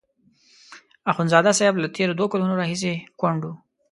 اخندزاده صاحب له تېرو دوو کالو راهیسې کونډ وو.